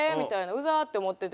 「うざっ」って思ってて。